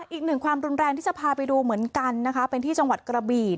อีกหนึ่งความรุนแรงที่จะพาไปดูเหมือนกันนะคะเป็นที่จังหวัดกระบี่